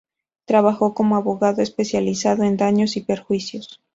Trabajó como abogado, especializado en Daños y Perjuicios.